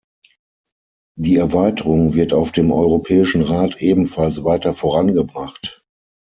Die Erweiterung wird auf dem Europäischen Rat ebenfalls weiter vorangebracht.